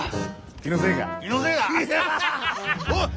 気のせいだ。